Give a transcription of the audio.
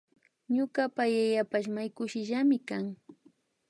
Ñukapa yayapash may kushillami kan